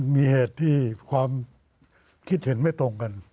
มีเหตุที่ความคิดเห็นไม่ตรงกัน